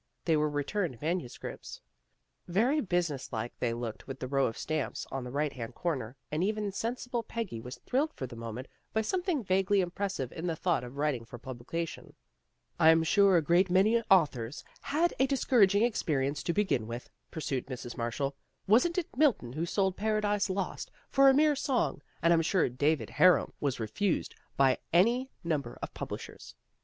They were re turned manuscripts. Very business like they looked with the row of stamps on the right hand corner, and even sensible Peggy was thrilled for the moment by something vaguely impressive in the thought of writing for pub lication. " I'm sure a great many authors had a dis PEGGY ACTS AS CRITIC 139 couraging experience to begin with," pursued Mrs. Marshall. " Wasn't it Milton who sold ' Paradise Lost ' for a mere song, and I'm sure ' David Harum ' was refused by any number of publishers."